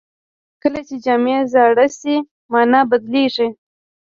کله چې جامې زاړه شي، مانا بدلېږي.